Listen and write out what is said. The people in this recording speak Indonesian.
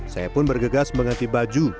saya pun bergegas mengganti baju